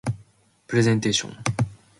プレゼンテーション